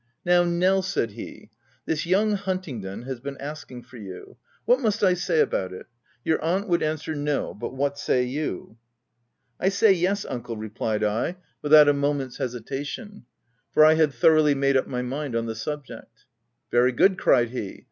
" Now Nel," said he, " This young Hunting don has been asking for you : what must I say about it ? Your aunt would answer c No ■— but w r hatsay you?" " I say yes, uncle/' replied I, without a 16 THE TENANT moment's hesitation ; for I had thoroughly made up my mind on the subject. " Very good !? cried he.